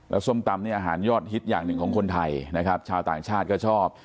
ส้มตำเนี่ยอาหารยอดฮิตอย่างหนึ่งของคนไทยนะครับชาวต่างชาติก็ชอบ